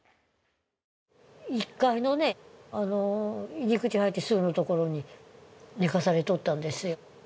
１階の入り口、入って、すぐのところに寝かされとったんですよ。